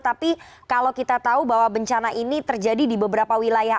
tapi kalau kita tahu bahwa bencana ini terjadi di beberapa wilayah